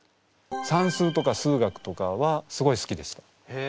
算数とか数学とかはすごい好きでした。